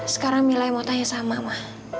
sekarang mila yang mau tanya sama ma